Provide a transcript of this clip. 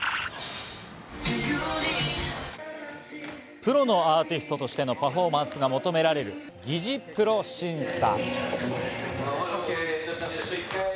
プロのアーティストとしてのパフォーマンスが求められる擬似プロ審査。